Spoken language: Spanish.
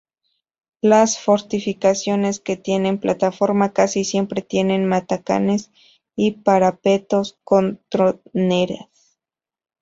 Las fortificaciones que tienen plataforma casi siempre tienen matacanes y parapetos con troneras.